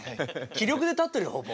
気力で立ってるよほぼ。